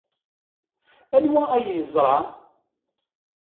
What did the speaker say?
Anwa ay yeẓra?